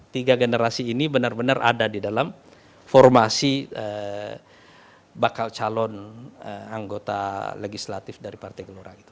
tiga generasi ini benar benar ada di dalam formasi bakal calon anggota legislatif dari partai gelora itu